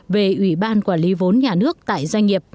về ủy ban quản lý vốn nhà nước tại doanh nghiệp